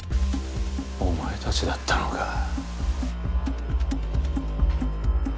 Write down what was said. お前たちだったのか。